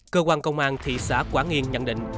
cơ quan công an thị xã quảng yên nhận định